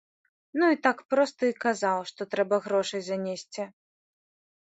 Ну, і так проста і казаў, што трэба грошай занесці.